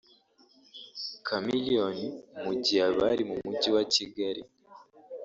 Chameleone mu gihe bari mu Mujyi wa Kigali